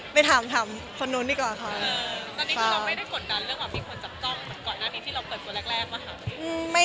ไปถามเข้านู้นดีกว่าค่ะ